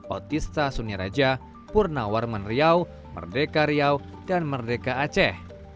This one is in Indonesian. otista suniraja purnawarmen riau merdeka riau dan merdeka aceh